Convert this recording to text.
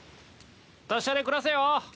達者で暮らせよ。